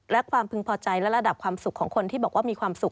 และความพึงพอใจและระดับความสุขของคนที่บอกว่ามีความสุข